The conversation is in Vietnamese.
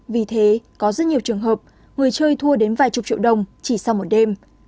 vì thế có rất nhiều trường hợp người chơi thua đến vài chục triệu đồng chỉ sau một đêm